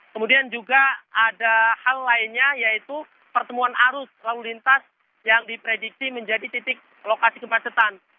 kemudian juga ada hal lainnya yaitu pertemuan arus lalu lintas yang diprediksi menjadi titik lokasi kemacetan